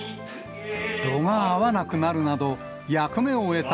度が合わなくなるなど、役目を終えた